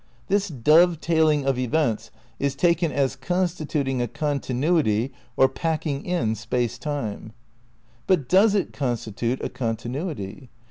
This dove tailing of events is taken as constituting a continuity or packing in Space Time. But does it constitute a continuity?